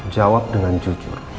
jawab dengan jujur